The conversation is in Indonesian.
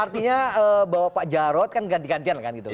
artinya bahwa pak jarod kan ganti gantian kan gitu